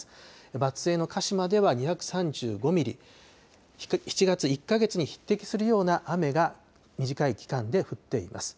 松江のかしまでは２３５ミリ、７月１か月に匹敵するような雨が短い期間で降っています。